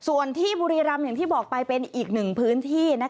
ส่วนที่บุรีรำอย่างที่บอกไปเป็นอีกหนึ่งพื้นที่